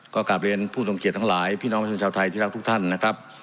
ก็กลับเรียนผู้ทรงเกียจทั้งหลายพี่น้องประชาชนชาวไทยที่รักทุกท่านนะครับ